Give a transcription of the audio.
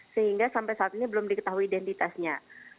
sehingga sampai saat ini belum diketahui identitasnya